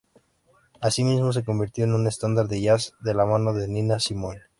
Asimismo se convirtió en un estándar de jazz de la mano de Nina Simone.